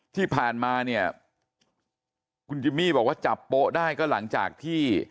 ที่ผ่านมาเนี่ยคุณจิมมี่บอกว่าจับโป๊ะได้ก็หลังจากที่